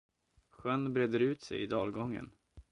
Sjön breder ut sig i dalgången.